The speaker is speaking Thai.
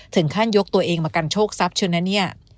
ถึงขั้นยกตัวเองมากันโชคทรัพย์เชิญนะเนี่ย